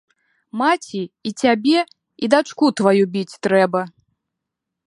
Маці, і цябе і дачку тваю біць трэба.